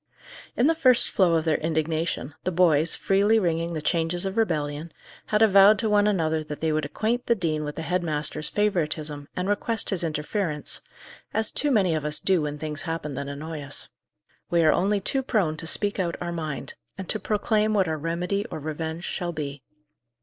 In the first flow of their indignation, the boys, freely ringing the changes of rebellion, had avowed to one another that they would acquaint the dean with the head master's favouritism, and request his interference as too many of us do when things happen that annoy us. We are only too prone to speak out our mind, and to proclaim what our remedy or revenge shall be.